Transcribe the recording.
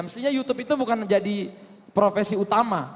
mestinya youtube itu bukan menjadi profesi utama